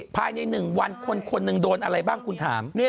ภายใน๑วันคนหนึ่งโดนอะไรบ้างคุณถาม